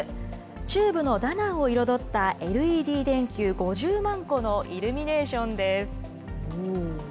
中部のダナンを彩った、ＬＥＤ電球５０万個のイルミネーションです。